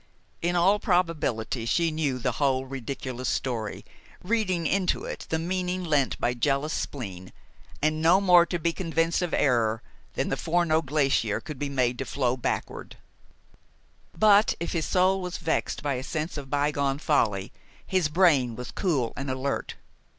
In all probability, she knew the whole ridiculous story, reading into it the meaning lent by jealous spleen, and no more to be convinced of error than the Forno glacier could be made to flow backward. [Illustration: "No," said Spencer, "ring for the elevator." Page 217] But if his soul was vexed by a sense of bygone folly, his brain was cool and alert.